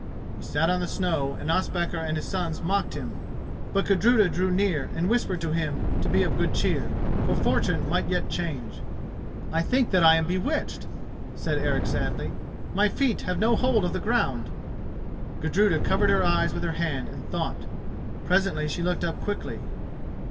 He sat on the snow and Ospakar and his sons mocked him. But Gudruda drew near and whispered to him to be of good cheer, for fortune might yet change. "I think that I am bewitched," said Eric sadly: "my feet have no hold of the ground." Gudruda covered her eyes with her hand and thought. Presently she looked up quickly.